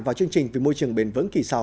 vào chương trình về môi trường bền vững kỳ sau